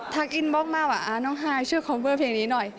อินบล็อกมาว่าน้องฮายช่วยคอมเวอร์เพลงนี้หน่อย